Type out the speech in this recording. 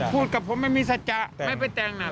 พูดกับผมไม่มีสัจจะไม่ไปแต่งน่ะ